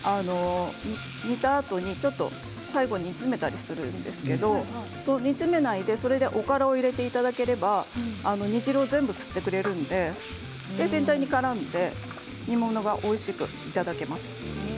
煮たあとに最後煮詰めたりするんですけど煮詰めないでおからを入れていただければ煮汁を全部吸ってくれるので全体にからんで煮物がおいしくいただけます。